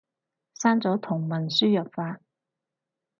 刪咗同文輸入法